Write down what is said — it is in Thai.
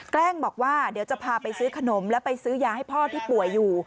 แกล้งบอกว่าเดี๋ยวจะพาไปซื้อขนมแล้วไปซื้อยาให้พ่อที่ป่วยอยู่